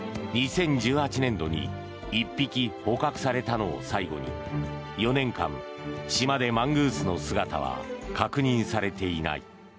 ２０１８年度に１匹捕獲されたのを最後に４年間、島でマングースの姿は確認されていない。